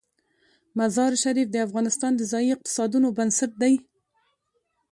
مزارشریف د افغانستان د ځایي اقتصادونو بنسټ دی.